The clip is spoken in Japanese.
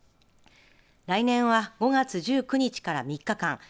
来年は５月１９日から３日間。